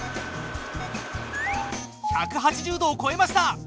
１８０度をこえました！